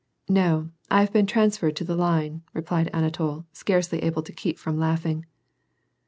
" No, I have been transferred to the line," replied Anatol, scarcely able to keep from laughing.